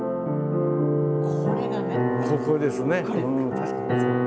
ここですね。